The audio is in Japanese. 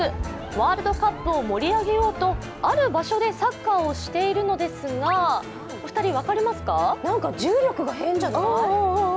ワールドカップを盛り上げようとある場所でサッカーをしているのですが、なんか重力が変じゃない？